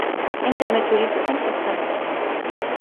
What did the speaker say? عندما تريد أن تذهب?